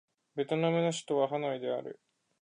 ベトナムの首都はハノイである